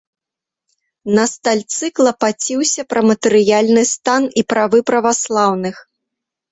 На стальцы клапаціўся пра матэрыяльны стан і правы праваслаўных.